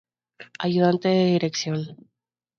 Ayudante de dirección.